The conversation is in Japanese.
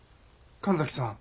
神崎さん